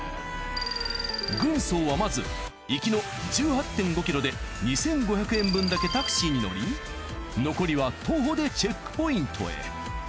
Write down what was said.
軍曹はまず行きの１８．５ｋｍで２，５００円分だけタクシーに乗り残りは徒歩でチェックポイントへ。